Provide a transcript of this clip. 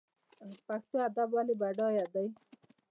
پښتو ادب ولې بډای دی؟